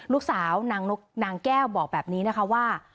ลูกสาวนางแก้วบอกแบบนี้นะคะว่า